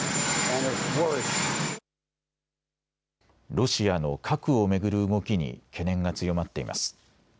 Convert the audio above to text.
ロシアの核を巡る動きに懸念が強まっています。